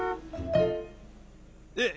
えっ？